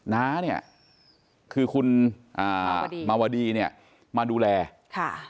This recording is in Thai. น้าเนี่ยคือคุณอ่ามาวดีเนี่ยมาดูแลค่ะ